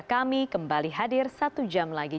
kami kembali hadir satu jam lagi